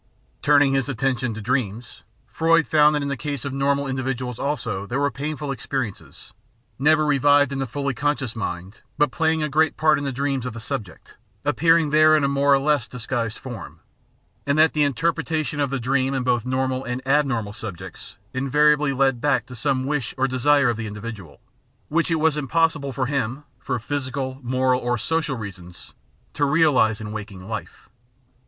Turning his attention to dreams, Freud found that in the case of normal individuals also there were painful experiences, never revived in the fully conscious mind, but playing a great part in the dreams of the subject, appearing there in a more or less disguised form ; and that the interpretation of the dream in both normal and abnormal subjects invariably led back to some wish or desire of the individual, which it was impossible for him, for physical, moral, or social reasons, to realise in waking life.